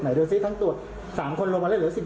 ไหนดูสิทั้งตัว๓คนเหลือ๑๐บาทหรอลูกเนี่ย